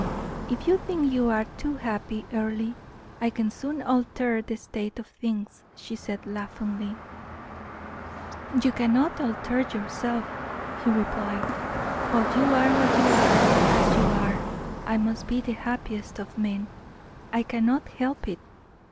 "If you think you are too happy, Earle, I can soon alter that state of things," she said, laughingly. "You cannot alter yourself," he replied. "While you are what you are, and as you are, I must be the happiest of men I cannot help it.